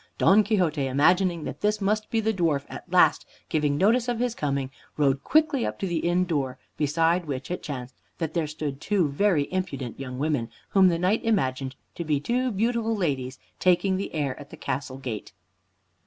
Don Quixote, imagining that this must be the dwarf at last giving notice of his coming, rode quickly up to the inn door, beside which it chanced that there stood two very impudent young women, whom the Knight imagined to be two beautiful ladies taking the air at the castle gate.